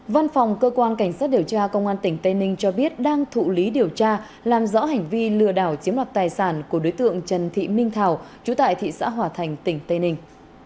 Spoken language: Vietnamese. văn phòng cơ quan cảnh sát điều tra công an tỉnh tây ninh cho biết đang thụ lý điều tra làm rõ hành vi lừa đảo chiếm đoạt tài sản của đối tượng trần thị minh thảo chú tại thị xã hòa thành tỉnh tây ninh